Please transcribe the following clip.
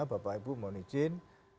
bapak ibu mohon izin